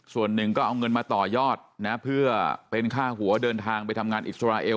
ส่วนหนึ่งก็เอาเงินมาต่อยอดนะเพื่อเป็นค่าหัวเดินทางไปทำงานอิสราเอล